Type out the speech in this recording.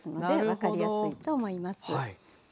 分かりやすいと思います。